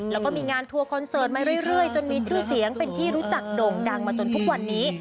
แล้วก็มีงานทัวร์คอนเสิร์ตมาเรื่อยจนมีชื่อเสียงเป็นที่รู้จักโด่งดังมาจนทุกวันนี้